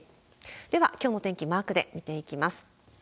では、きょうの天気、マークで見ていきます。